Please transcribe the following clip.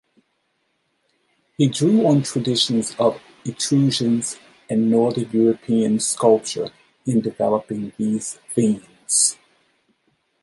He drew on traditions of Etruscan and Northern European sculpture in developing these themes.